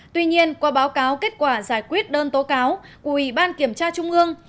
tuy nhiên qua báo cáo kết quả giải quyết đơn tố cáo của ủy ban kiểm tra trung ương